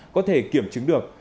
có thể kiểm chứng được